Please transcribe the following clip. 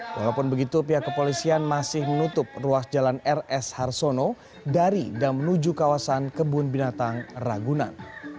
walaupun begitu pihak kepolisian masih menutup ruas jalan rs harsono dari dan menuju kawasan kebun binatang ragunan